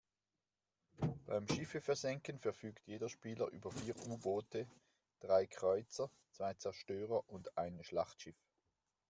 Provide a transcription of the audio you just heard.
Beim Schiffe versenken verfügt jeder Spieler über vier U-Boote, drei Kreuzer, zwei Zerstörer und ein Schlachtschiff.